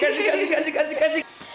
asik asik asik asik asik